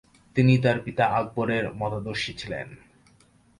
তিনি তার পিতা আকবর এর মতাদর্শী ছিলেন ।